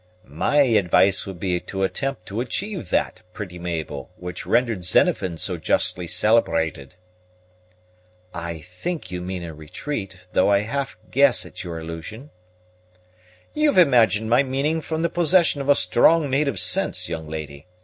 "My advice would be to attempt to achieve that, pretty Mabel, which rendered Xenophon so justly celebrated." "I think you mean a retreat, though I half guess at your allusion." "You've imagined my meaning from the possession of a strong native sense, young lady.